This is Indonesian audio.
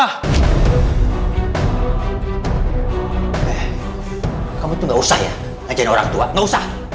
eh kamu tuh gausah ya ngajakin orang tua gausah